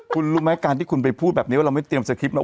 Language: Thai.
คุณรู้ไหมการที่คุณไปพูดแบบนี้ว่าเราไม่เตรียมสคริปนะ